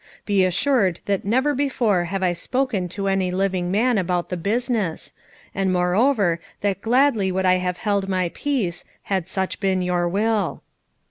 Be assured that never before have I spoken to any living man about the business, and moreover that gladly would I have held my peace, had such been your will."